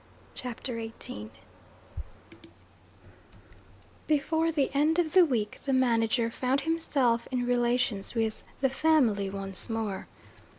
CHAPTER XVIII Before the end of the week, the manager found himself in relations with 'the family' once more.